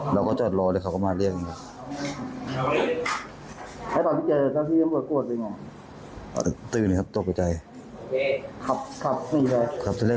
เรากระจัดรอเลยเค้าก็มาเรียกแบบนี้